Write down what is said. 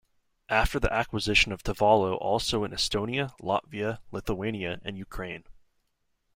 After the acquisition of Tevalo also in Estonia, Latvia, Lithuania, and Ukraine.